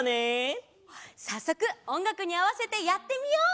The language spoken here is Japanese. さっそくおんがくにあわせてやってみよう！